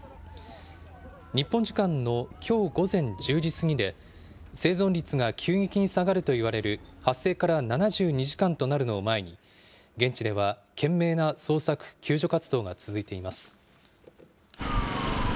日本時間のきょう午前１０時過ぎで、生存率が急激に下がるといわれる、発生から７２時間となるのを前に、現地では懸命な捜索、救助活動が続いています。